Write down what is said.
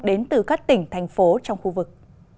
đến từ các tỉnh thành phố trong khu vực